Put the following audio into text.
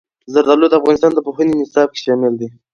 زردالو د افغانستان د پوهنې نصاب کې شامل دي.